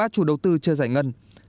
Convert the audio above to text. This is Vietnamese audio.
ba chủ đầu tư chưa giải ngân